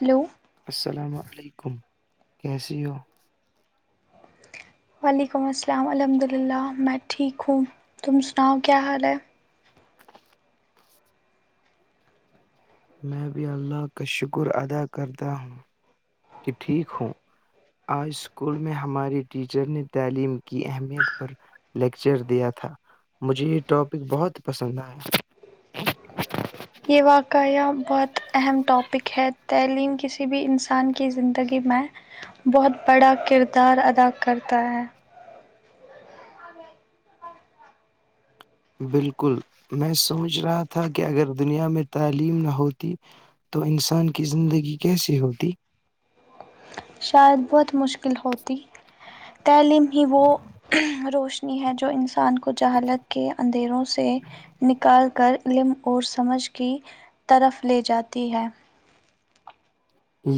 hello السلام علیکم کیسی ہو وعلیکم السلام الحمد اللہ میں ٹھیک ہوں تم سناؤ کیا حال ہے میں بھی اللہ کا شکر ادا کرتا ہوں کہ ٹھیک ہوں آج اسکول میں ہماری ٹیچر نے تعلیم کی اہمیت پر لیکچر دیا تھا مجھے یہ ٹاپک بہت پسند آیا [unintelligible] یہ واقعہ بہت اہم ٹاپک ہے تعلیم کسی بھی انسان کی زندگی میں بہت بڑا کردار ادا کرتا ہے بالکل میں سوچ رہا تھا کہ اگر دنیا میں تعلیم نہ ہوتی تو انسان کی زندگی کیسی ہوتی شاید بہت مشکل ہوتی تعلیم ہی وہ روشنی ہے جو انسان کو جہالت کے اندھیروں سے نکال کر علم اور سمجھ کی طرف لے جاتی ہے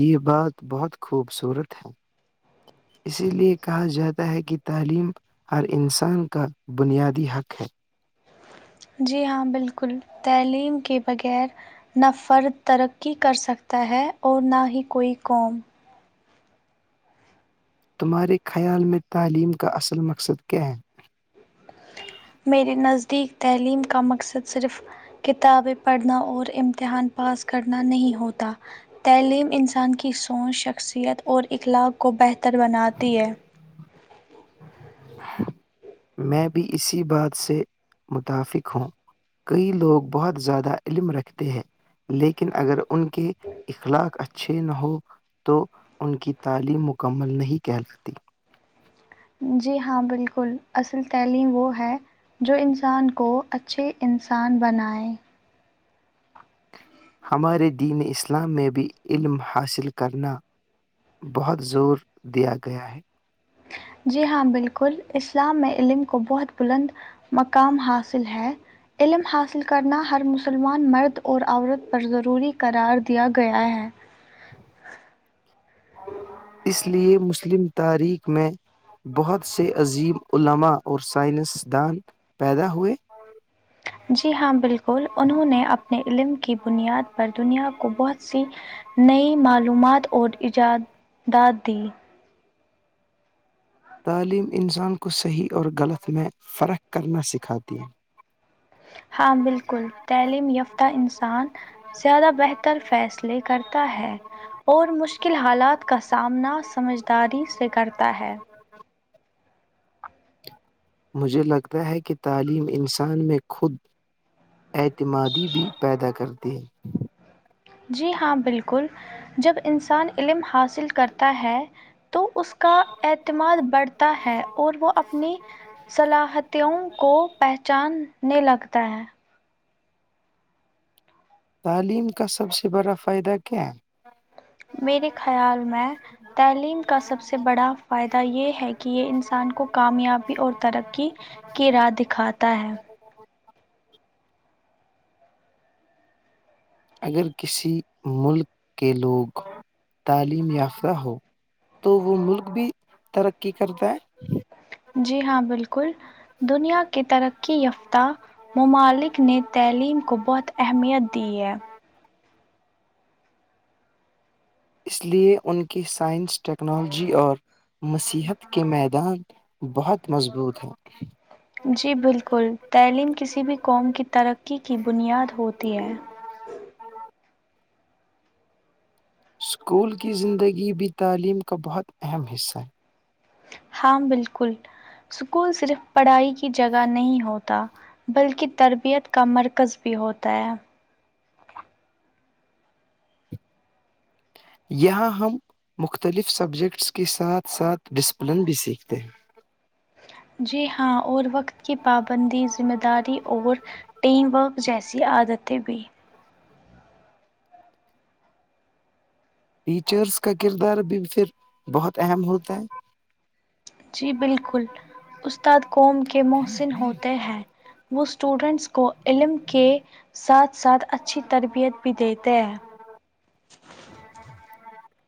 یہ بات بہت خوبصورت ہے اسی لیے کہا جاتا ہے کہ تعلیم ہر انسان کا بنیادی حق ہے جی ہاں بالکل تعلیم کے بغیر نہ فرد ترقی کر سکتا ہے اور نہ ہی کوئی قوم تمہارے خیال میں تعلیم کا اصل مقصد کیا ہے میرے نزدیک تعلیم کا مقصد صرف کتابیں پڑھنا اور امتحان پاس کرنا نہیں ہوتا تعلیم انسان کی سوچ شخصیت اور اخلاق کو بہتر بناتی ہے میں بھی اسی بات سے متفق ہوں کئی لوگ بہت زیادہ علم رکھتے ہیں لیکن اگر ان کے اخلاق اچ اچھے نہ ہو تو ان کی تعلیم مکمل نہیں کہلاتی جی ہاں بالکل اصل تیلیم وہ ہے جو انسان کو اچھے انسان بنائے ہمارے دین اسلام میں بھی علم حاصل کرنا بہت زور دیا گیا ہے جی ہاں بالکل اسلام میں علم کو بہت بلند مقام حاصل ہے علم حاصل کرنا ہر مسلمان مرد اور عورت پر ضروری قرار دیا گیا ہے [inaudible] اس لیے مسلم تاریخ میں بہت سے عظیم علماء اور سائنسدان پیدا ہوئے جی ہاں بالکل انہوں نے اپنے علم کی بنیاد پر دنیا کو بہت سی نئی معلومات اور ایجاداد دی تعلیم انسان کو صحیح اور غلط میں فرق کرنا سکھاتی ہے ہاں بالکل تعلیم یافتہ انسان زیادہ بہتر فیصلے کرتا ہے اور مشکل حالات کا سامنا سمجھداری سے کرتا ہے مجھے لگتا ہے کہ تعلیم انسان میں خود اعتمادی بھی پیدا کرتے ہیں جی ہاں بالکل جب انسان علم حاصل کرتا ہے تو اس کا اعتماد بڑھتا ہے اور وہ اپنی صلاحیتیوں کو پہچاننے لگتا ہے تعلیم کا سب سے بڑا فائدہ کیا ہے میرے خیال میں تعلیم کا سب سے بڑا فائدہ یہ ہے کہ یہ انسان کو کامیابی اور ترقی کی راہ دکھاتا ہے اگر کسی ملک کے لوگ تعلیم یافتہ ہو تو وہ ملک بھی ترقی کرتا ہے جی ہاں بالکل دنیا کے ترقی یافتہ ممالک نے تعلیم کو بہت اہمیت دی ہے اس لیے ان کی سائنس ٹیکنالوجی اور مصحت کے میدان بہت مضبوط ہیں جی بالکل تعلیم کسی بھی قوم کی ترقی کی بنیاد ہوتی ہے اسکول کی زندگی بھی تعلیم کا بہت اہم حصہ ہے ہاں بالکل اسکول صرف پڑھائی کی جگہ نہیں ہوتا بلکہ تربیت کا مرکز بھی ہوتا ہے یہاں ہم مختلف سبجیکٹس کے ساتھ ساتھ ڈسپلن بھی سیکھتے ہیں جی ہاں اور وقت کی پابندی ذمہ داری اور ٹیم ورک جیسی عادتیں بھی ٹیچرس کا کردارب پھر بہت اہم ہوتا ہے جی بالکل استاد قوم کے محسن ہوتے ہیں وہ اسٹوڈنٹس کو علم کے ساتھ ساتھ اچھی تربیت بھی دیتے ہیں [inaudible]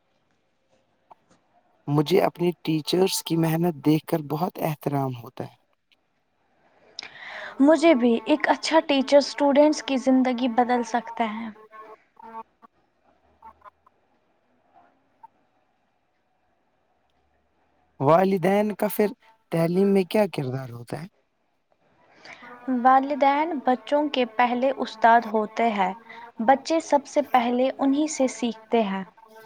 مجھے اپنی ٹیچرس کی محنت دیکھ کر بہت احترام ہوتا ہے مجھے بھی ایک اچھا ٹیچر اسٹوڈینٹس کی زندگی بدل سکتا ہے ہاں [unintelligible] والدین کا پھر تعلیم میں کیا کردار ہوتا ہے والدین بچوں کے پہلے استاد ہوتے ہیں بچے سب سے پہلے انہیں سے سیکھتے ہیں ہاں [unintelligible]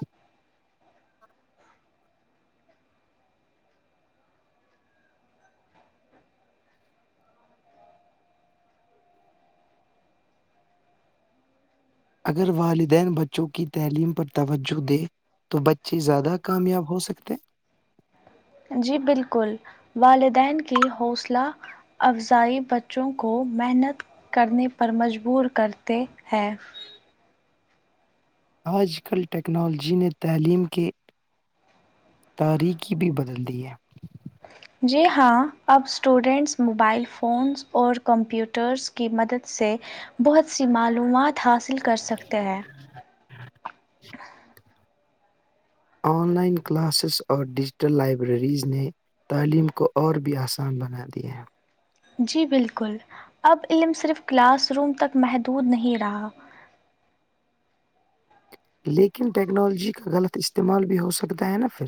اگر والدین بچوں کی تعلیم پر توجہ دے تو بچے زیادہ کامیاب ہو سکتے جی بالکل والدین کی حوصلہ افزائی بچوں کو محنت کرنے پر مجبور کرتے ہیں آج کل ٹیکنالوجی نے تعلیم کے تاریکی بھی بدلتی ہے جی ہاں اب اسٹوڈنٹس موبائل فونس اور کمپیوٹرس کی مدد سے بہت سی معلومات حاصل کر سکتے ہیں ج [inaudible] [inaudible] آن لائن کلاسز اور ڈیجیٹل لائبریریز نے تعلیم کو اور بھی آسان بنا دیا ہیں جی بالکل اب علم صرف کلاس روم تک محدود نہیں رہا لیکن ٹیکنالوجی کا غلط استعمال بھی ہو سکتا ہے نا پھر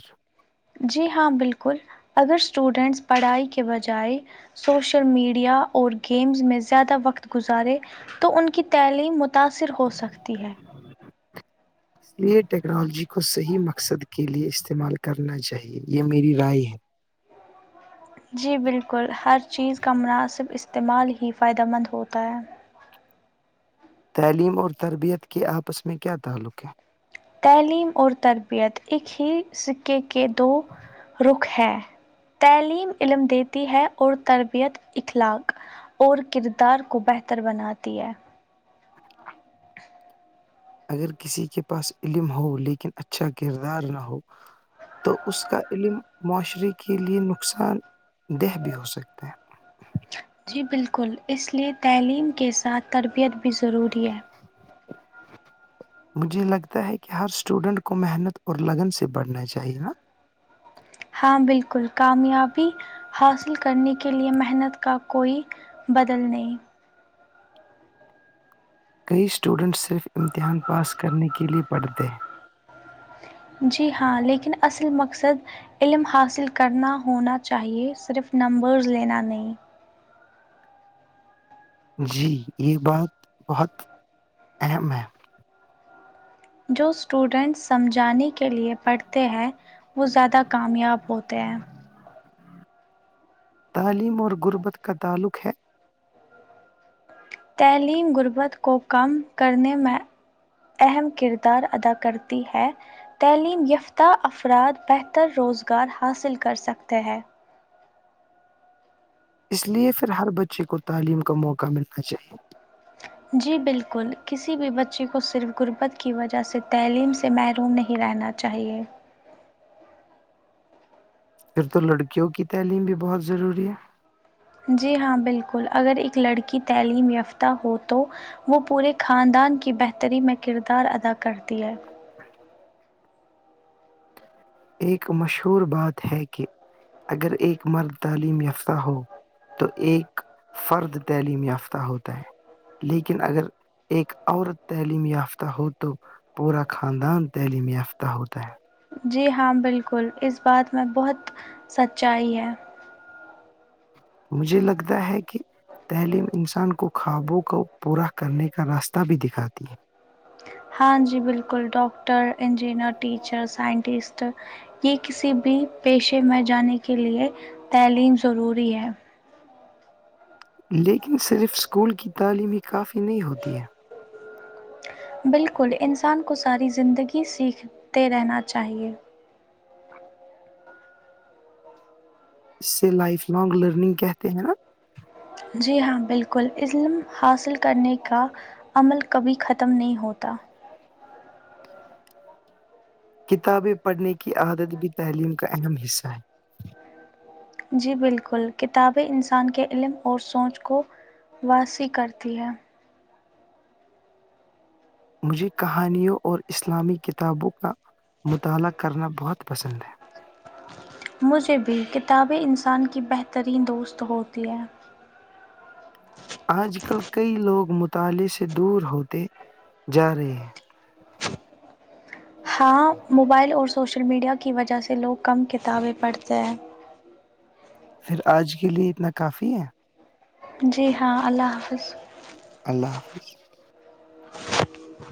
جی ہاں بالکل اگر اسٹوڈینٹس پڑھائی کے بجائے سوشل میڈیا اور گیمز میں زیادہ وقت گزارے تو ان کی تعلیم متاثر ہو سکتی ہے یہ ٹیکنالوجی کو صحیح مقصد کے لیے استعمال کرنا چاہیے یہ میری رائے ہے جی بالکل ہر چیز کا مناسب استعمال ہی فائدہ مند ہوتا ہے تعلیم اور تربیت کے آپس میں کیا تعلق ہے تعلیم اور تربیت ایک ہی سک کے دو رخ ہیں تعلیم علم دیتی ہے اور تربیت اخلاق اور کردار کو بہتر بناتی ہے اگر کسی کے پاس علم ہو لیکن اچھا کردار نہ ہو تو اس کا علم معاشرے کے لیے نقصان دہ بھی ہو سکتے ہیں جی بالکل اس لیے تعلیم کے ساتھ تربیت بھی ضروری ہے [inaudible] مجھے لگتا ہے کہ ہر اسٹوڈینٹ کو محنت اور لگن سے بڑھنا چاہیے نا ہاں بالکل کامیابی حاصل کرنے کے لیے محنت کا کوئی بدلنے [unintelligible] کئی اسٹوڈنٹس صرف امتحان پاس کرنے کے لیے پڑھتے ہیں جی ہاں لیکن اصل مقصد علم حاصل کرنا ہونا چاہیے صرف نمبرز لینا نہیں جی یہ بات بہت اہم ہے جو اسٹوڈینٹس سمجھانے کے لیے پڑھتے ہیں وہ زیادہ کامیاب ہوتے ہیں تعلیم اور غربت کا تعلق ہے تعلیم غربت کو کم کرنے میں اہم کردار ادا کرتی ہے تعلیم یافتہ افراد بہتر روزگار حاصل کر سکتے ہیں اس لیے پھر ہر بچے کو تعلیم کا موقع ملنا چاہیے جی بالکل کسی بھی بچی کو صرف غربت کی وجہ سے تعلیم سے محروم نہیں رہنا چاہ چاہیے پھر تو لڑکیوں کی تعلیم بھی بہت ضروری ہے جی ہاں بالکل اگر ایک لڑکی تعلیم یافتہ ہو تو وہ پورے خاندان کی بہتری میں کردار ادا کرتی ہے [inaudible] ایک مشہور بات ہے کہ اگر ایک مرد تعلیم یافتہ ہو تو ایک فرد تعلیم یافتہ ہوتا ہے لیکن اگر ایک عورت تعلیم یافتہ ہو تو پورا خاندان تعلیم یافتہ ہوتا ہے جی ہاں بالکل اس بات میں بہت سچائی ہے مجھے لگتا ہے کہ تعلیم انسان کو خوابوں کو پورا کرنے کا راستہ بھی دکھاتی ہے ہاں جی بالکل ڈاکٹر انجنئر ٹیچر سائنٹسٹ یہ کسی بھی پیشے میں جانے کے لیے تعلیم ضروری ہے لیکن صرف اسکول کی تعلیم ہی کافی نہیں ہوتی ہے بالکل انسان کو ساری زندگی سیکھتے رہنا چاہیے اس سے لائف لانگ لرننگ کہتے ہیں نا جی ہاں بالکل علم حاصل کرنے کا عمل کبھی ختم نہیں ہوتا کتابیں پڑھنے کی عادت بھی تعلیم کا اہم حصہ ہے جی بالکل کتابیں انسان کے علم اور سوچ کو واسی کرتی ہے مجھے کہانیوں اور اسلامی کتابوں کا مطالعہ کرنا بہت پسند ہے مجھے بھی کتابیں انسان کی بہترین دوست ہوتی ہے آج کل کئی لوگ مطالعے سے دور ہوتے جا رہے ہیں ہاں موبائل اور سوشل میڈیا کی وجہ سے لوگ کم کتابیں پڑھتے ہیں پھر آج کے لیے اتنا کافی ہے جی ہاں اللہ حافظ اللہ حافظ [inaudible]